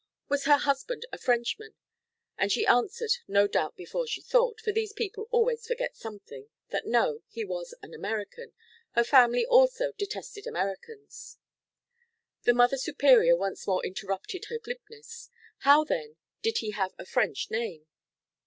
Was her husband a Frenchman? And she answered, no doubt before she thought, for these people always forget something, that no, he was an American her family, also, detested Americans. The Mother Superior once more interrupted her glibness. How, then, did he have a French name?